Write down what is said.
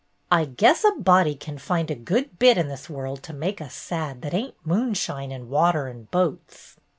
"I guess a body can find a good bit in this world to make us sad that ain't moonshine and water and boats."